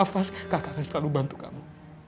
kakak masih bernafas kakak akan selalu bantu kamu